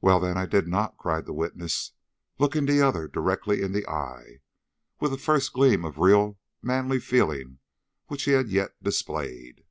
"Well, then, I did not," cried the witness, looking the other directly in the eye, with the first gleam of real manly feeling which he had yet displayed.